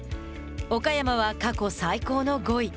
岡山は過去最高の５位。